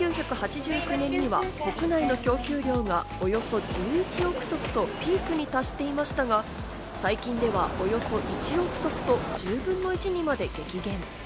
１９８９年には国内の供給量がおよそ１１億足と、ピークに達していましたが、最近ではおよそ１億足と、１０分の１にまで激減。